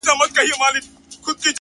o يوه د ميني زنده گي راوړي؛